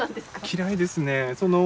嫌いですね。